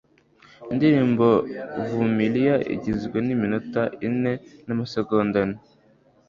indirimbo 'vumilia' igizwe n'iminota ine n'amasegonda ane